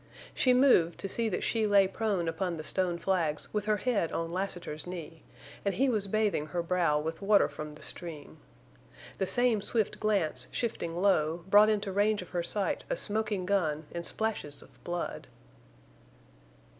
She moved, to see that she lay prone upon the stone flags with her head on Lassiter's knee, and he was bathing her brow with water from the stream. The same swift glance, shifting low, brought into range of her sight a smoking gun and splashes of blood.